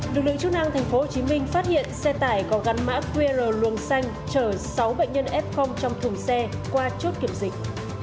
lực lượng chức năng tp hcm phát hiện xe tải có gắn mã qr luồng xanh chở sáu bệnh nhân f trong thùng xe qua chốt kiểm dịch